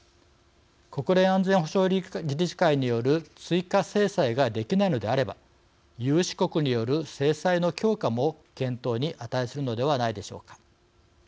国連安全保障理事会による追加制裁ができないのであれば有志国による制裁の強化も検討に値するのではないでしょうか。